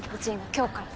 今日から。